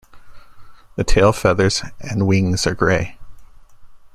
The tail feathers and wings are gray.